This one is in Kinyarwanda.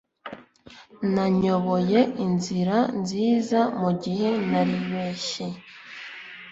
nanyoboye inzira nziza, mugihe naribeshye